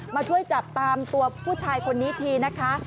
มาช่วยจับตามตัวผู้ชายคนนี้ทีนะคะ